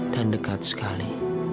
dan dekat sekali